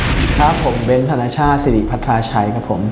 ขอบคุณครับผมเบนซธรรชาศรีปัทราชัยครับผม